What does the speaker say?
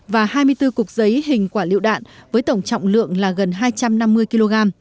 và hai mươi bốn cục giấy hình quả liệu đạn với tổng trọng lượng là gần hai trăm năm mươi kg